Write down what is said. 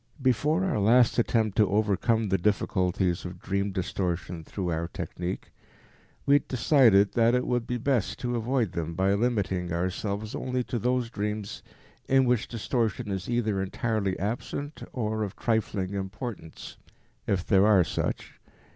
Before our last attempt to overcome the difficulties of dream distortion through our technique, we had decided that it would be best to avoid them by limiting ourselves only to those dreams in which distortion is either entirely absent or of trifling importance, if there are such.